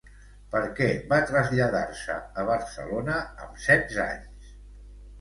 Per què va traslladar-se a Barcelona amb setze anys?